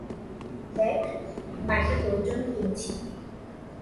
দেখ, বাইকটা তোর জন্য কিনেছি।